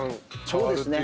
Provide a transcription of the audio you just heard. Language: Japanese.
そうですね